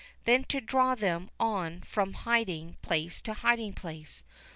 Then to draw them on from hiding place to hiding place!